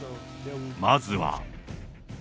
まずは。